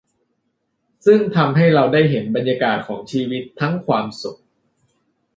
ซึ่งทำให้เราได้เห็นบรรยากาศของชีวิตทั้งความสุข